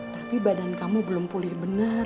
tapi badan kamu belum pulih benar